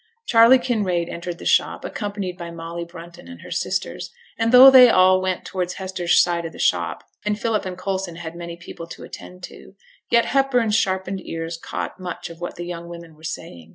Charley Kinraid entered the shop, accompanied by Molly Brunton and her sisters; and though they all went towards Hester's side of the shop, and Philip and Coulson had many people to attend to, yet Hepburn's sharpened ears caught much of what the young women were saying.